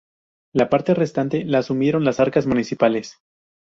La parte restante la asumieron las arcas municipales.